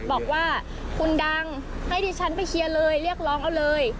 บอกว่าคุณดังให้ดิฉันไปเคลียร์เลยเรียกร้องเอาเลย